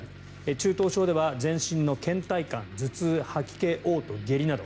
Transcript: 中等症では全身のけん怠感、頭痛吐き気、嘔吐、下痢など。